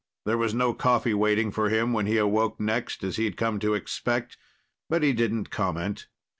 There was no coffee waiting for him when he awoke next, as he'd come to expect, but he didn't comment.